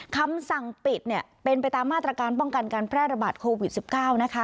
คำสั่งปิดเนี่ยเป็นไปตามมาตรการป้องกันการแพร่ระบาดโควิด๑๙นะคะ